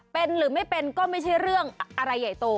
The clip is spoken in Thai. เป็นหรือไม่เป็นก็ไม่ใช่เรื่องอะไรใหญ่โต